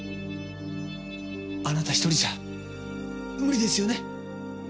あなた１人じゃ無理ですよね？